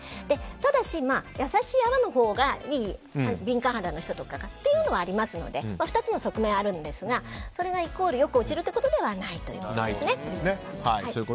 ただ優しい泡のほうがいいという敏感肌の人はということがありますので２つの側面があるんですがそれがイコールよく落ちるということではないんですね。